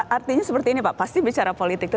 artinya seperti ini pak pasti bicara politik itu